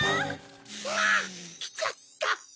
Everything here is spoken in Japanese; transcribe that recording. あっきちゃった！